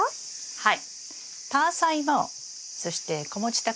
はい。